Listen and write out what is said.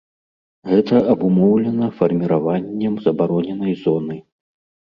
Гэта абумоўлена фарміраваннем забароненай зоны.